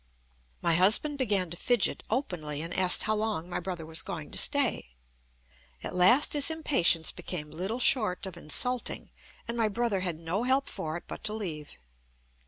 My husband began to fidget openly, and asked how long my brother was going to stay. At last his impatience became little short of insulting, and my brother had no help for it but to leave.